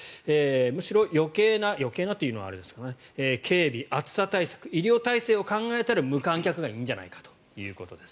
むしろ、余計な余計なというのはあれですが警備、暑さ対策医療体制を考えたら無観客がいいんじゃないかということです。